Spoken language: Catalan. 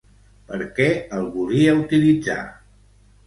Per què el volia utilitzar?